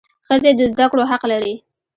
ښځي د زده کړو حق لري.